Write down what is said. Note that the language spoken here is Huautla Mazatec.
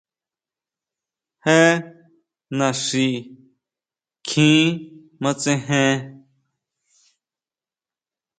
Jé naxi kjin matsejen.